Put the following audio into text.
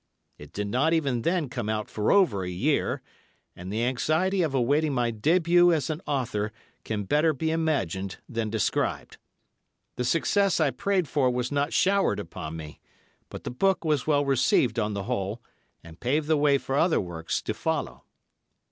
It did not even then come out for over a year, and the anxiety of awaiting my début as an author can better be imagined than described. The success I prayed for was not showered upon me, but the book was well received on the whole, and paved the way for other works to follow.